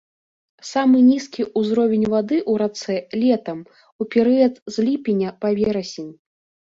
Самы нізкі ўзровень вады ў рацэ летам, у перыяд з ліпеня па верасень.